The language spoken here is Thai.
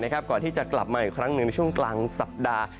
ก่อนที่จะกลับมาอีกครั้งหนึ่งในช่วงกลางสัปดาห์